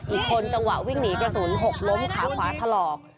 อีกคนจังหวะวิ่งหนีกระสุนหกล้มขาขวาถลอก